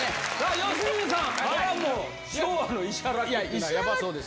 良純さん、これはもう昭和の石原家ってヤバそうですね。